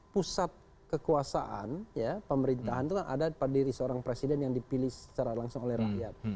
pusat kekuasaan pemerintahan itu kan ada pada diri seorang presiden yang dipilih secara langsung oleh rakyat